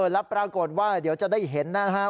แล้วปรากฏว่าเดี๋ยวจะได้เห็นนะครับ